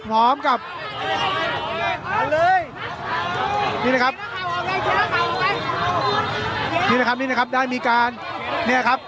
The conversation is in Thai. พร้อมกับเอาเลยนี่นะครับนี่นะครับนี่นะครับได้มีการเนี่ยครับ